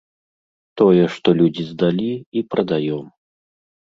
Тое, што людзі здалі, і прадаём.